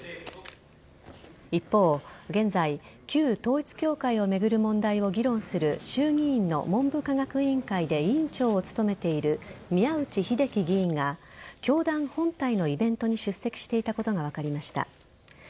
一方、現在旧統一教会を巡る問題を議論する衆議院の文部科学委員会で委員長を務めている宮内秀樹議員が教団本体のイベントに出席していたことが分かりました。